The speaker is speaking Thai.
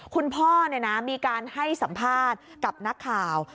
คุณพ่อมีการให้สัมภาษณ์กับนักข่าว